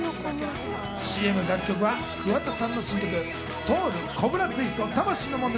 ＣＭ楽曲は桑田さんの新曲、『Ｓｏｕｌコブラツイスト魂の悶絶』